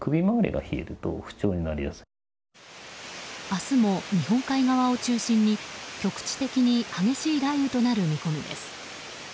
明日も日本海側を中心に局地的に激しい雷雨となる見込みです。